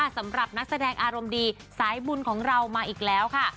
สำหรับนักแสดงอารมณ์ดีสายบุญของเรามาอีกแล้วค่ะ